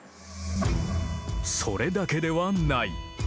それだけではない。